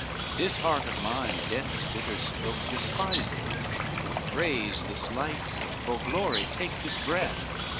VIII "This heart of mine death's bitter stroke despiseth, For praise this life, for glory take this breath."